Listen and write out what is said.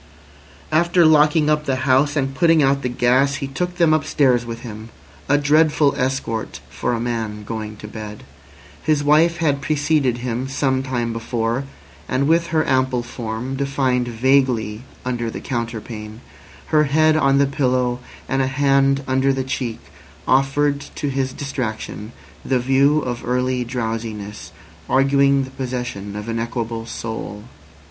After locking up the house and putting out the gas he took them upstairs with him—a dreadful escort for a man going to bed. His wife had preceded him some time before, and with her ample form defined vaguely under the counterpane, her head on the pillow, and a hand under the cheek offered to his distraction the view of early drowsiness arguing the possession of an equable soul.